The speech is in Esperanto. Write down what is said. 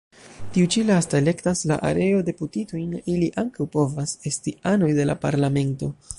Tiu ĉi lasta elektas la areo-deputitojn; ili ankaŭ povas esti anoj de la Parlamento.